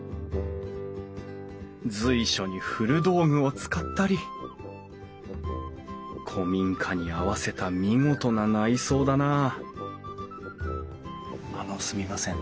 随所に古道具を使ったり古民家に合わせた見事な内装だなああのすみません。